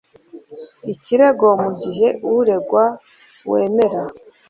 ikirego mu gihe uregwa wemera